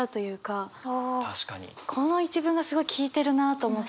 この一文がすごい効いてるなと思って。